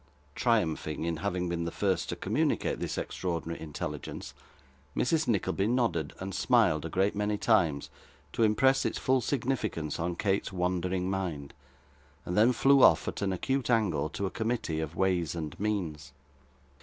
Triumphing in having been the first to communicate this extraordinary intelligence, Mrs. Nickleby nodded and smiled a great many times, to impress its full magnificence on Kate's wondering mind, and then flew off, at an acute angle, to a committee of ways and means.